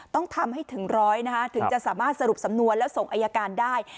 ต้องทำให้ถึงร้อยนะคะถึงจะสามารถสรุปสำนวนแล้วส่งอายการได้